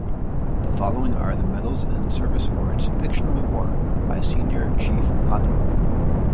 The following are the medals and service awards fictionally worn by Senior Chief Hanna.